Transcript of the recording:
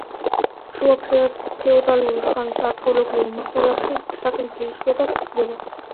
შუა ფეოდალური ხანის არქეოლოგიურ მასალაში საკინძი იშვიათად გვხვდება.